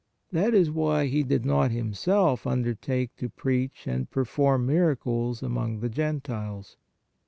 That is why. He did not Himself undertake to preach and perform miracles among the Gentiles.